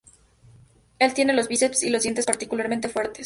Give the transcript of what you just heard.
Él tiene los bíceps y los dientes particularmente fuertes.